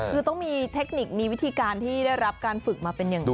คือต้องมีเทคนิคมีวิธีการที่ได้รับการฝึกมาเป็นอย่างดี